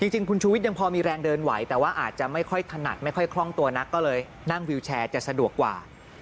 จริงคุณชูวิทย์ยังพอมีแรงเดินไหวแต่ว่าอาจจะไม่ค่อยถนัดไม่ค่อยคล่องตัวนักก็เลยนั่งวิวแชร์จะสะดวกกว่า